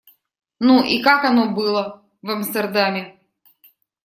Ну, и как оно было в Амстердаме?